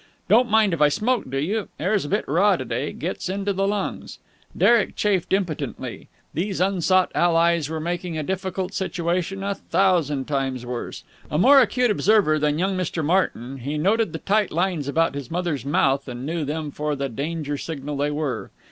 "Don't mind if I smoke, do you? Air's a bit raw to day. Gets into the lungs." Derek chafed impotently. These unsought allies were making a difficult situation a thousand times worse. A more acute observer than young Mr. Martyn, he noted the tight lines about his mother's mouth and knew them for the danger signal they were.